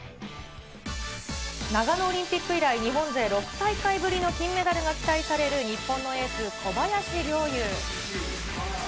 長野オリンピック以来、日本勢６大会ぶりの金メダルが期待される日本のエース、小林陵侑。